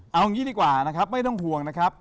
เอางี้ดีกว่านะครับไม่ต้องห่วงนะครับ